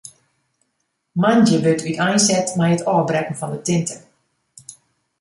Moandei wurdt úteinset mei it ôfbrekken fan de tinte.